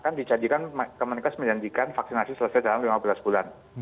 kan dijanjikan kemenkes menjanjikan vaksinasi selesai dalam lima belas bulan